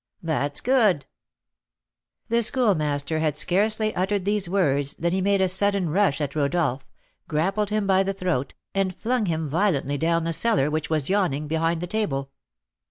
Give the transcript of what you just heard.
"That's good " The Schoolmaster had scarcely uttered these words than he made a sudden rush at Rodolph, grappled him by the throat, and flung him violently down the cellar which was yawning behind the table.